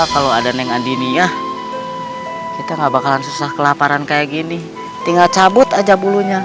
kalau ada neng adinia kita gak bakalan susah kelaparan kayak gini tinggal cabut aja bulunya